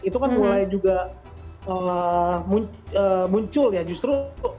itu kan mulai juga muncul ya justru